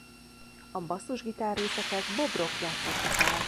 A basszusgitár-részeket Bob Rock játszotta fel.